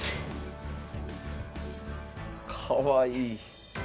かわいい。